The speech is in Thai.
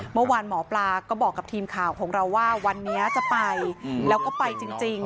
เมื่อวานหมอปลาก็บอกกับทีมข่าวของเราว่าวันนี้จะไปแล้วก็ไปจริง